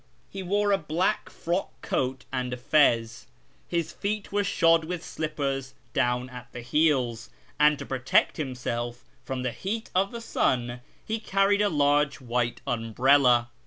He wore a black frock coat and a fez ; his feet were shod with slippers down at the heels ; and to protect himself from the heat of the sun he carried a large white umbrella.